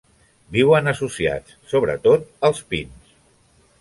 Viuen associats, sobretot, als pins.